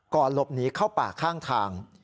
หลบหนีเข้าป่าข้างทาง